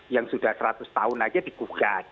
yang sudah seratus tahun aja digugat